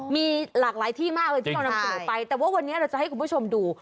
มีหลากหลายที่มากเลยที่เรานำเสนอไปแต่ว่าวันนี้เราจะให้คุณผู้ชมดู